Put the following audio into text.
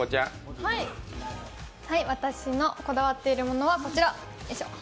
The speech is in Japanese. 私のこだわっているものはこちら。